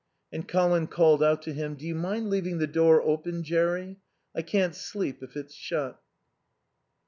And Colin called out to him, "Do you mind leaving the door open, Jerry? I can't sleep if it's shut."